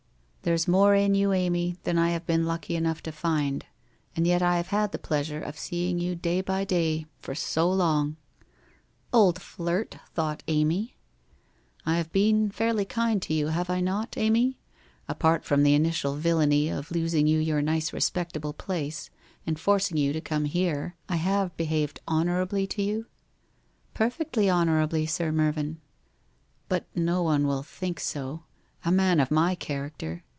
There's more in you, Amy, than I have been lucky enough to find, and yet I have had the pleasure of seeing you day by day, for so long !' 'Old flirt!' thought Amy. ' I have been fairly kind to you, have I not, Amy? Apart from the initial villainy of losing you your nice respectable place, and forcing you to come here, I have behaved honourably to you?' WHITE ROSE OF WEARY LEAF 31 ' Perfectly honourably, Sir Mervyn.' 'But no one will think so. A man of my character!